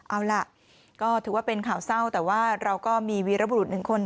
เอาล่ะก็ถือว่าเป็นข่าวเศร้าแต่ว่าเราก็มีวีรบุรุษหนึ่งคน